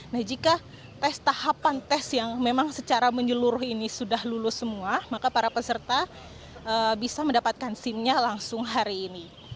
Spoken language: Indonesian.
nah jika tes tahapan tes yang memang secara menyeluruh ini sudah lulus semua maka para peserta bisa mendapatkan sim nya langsung hari ini